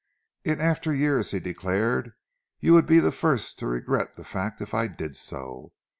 "In after years," he declared, "you would be the first to regret the fact if I did so.